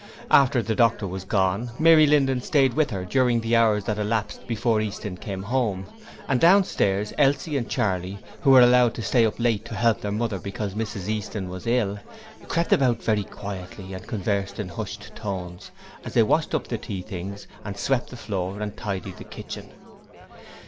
After the doctor was gone, Mary Linden stayed with her during the hours that elapsed before Easton came home, and downstairs Elsie and Charley who were allowed to stay up late to help their mother because Mrs Easton was ill crept about very quietly, and conversed in hushed tones as they washed up the tea things and swept the floor and tidied the kitchen.